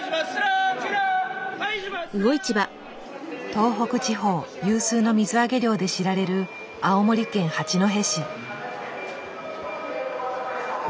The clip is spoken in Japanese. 東北地方有数の水揚げ量で知られる青森県八戸市。